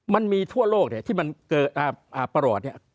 มันมีทั่วโลกที่มันเกิดประหลอดเนี่ย